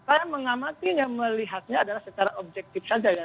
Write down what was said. saya mengamati ya melihatnya adalah secara objektif saja ya